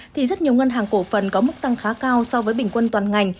thì rất nhiều ngân hàng cổ phần có mức tăng khá cao so với bình quân toàn ngành